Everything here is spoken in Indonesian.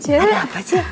ada apa cik